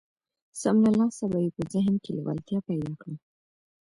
سم له لاسه به يې په ذهن کې لېوالتيا پيدا کړم.